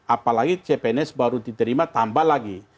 apalagi cpns baru diterima tambah lagi